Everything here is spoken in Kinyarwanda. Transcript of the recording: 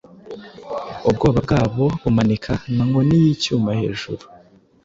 ubwoba bwabo bumanika Nka nkoni yicyuma hejuru